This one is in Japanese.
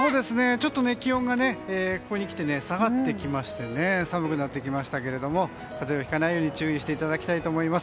ちょっと気温がここにきて下がってきまして寒くなってきましたけれども風邪をひかないように注意していただきたいと思います。